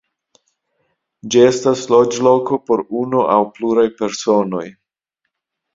Ĝi estas loĝloko por unu aŭ pluraj personoj.